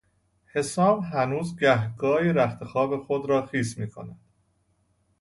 حسام هنوز گاهگاهی رختخواب خود را خیس میکند.